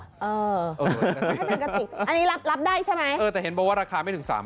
อันนี้รับได้ใช่ไหมแต่เห็นบอกว่าราคาไม่ถึง๓๐๐๐บาท